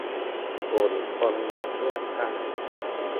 กลุ่มคนอยากเลือกตั้ง